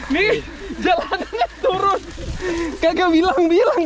nih jalannya turun kagak bilang bilang